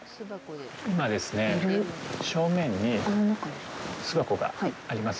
今ですね、正面に巣箱があります。